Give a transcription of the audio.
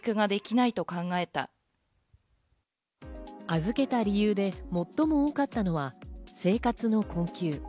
預けた理由で最も多かったのは、生活の困窮。